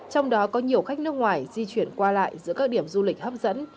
trong đó có nhiều khách nước ngoài di chuyển qua lại giữa các điểm du lịch hấp dẫn